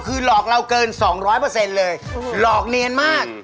คือหลอกเราเกิน๒๐๐เลยหลอกเนียนมาก